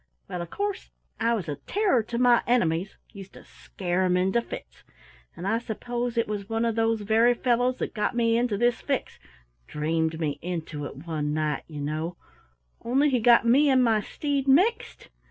Well, of course I was a terror to my enemies, used to scare 'em into fits, and I suppose it was one of those very fellows that got me into this fix, dreamed me into it one night, you know, only he got me and my steed mixed.